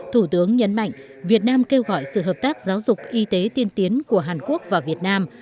thủ tướng nhấn mạnh việt nam kêu gọi sự hợp tác giáo dục y tế tiên tiến của hàn quốc và việt nam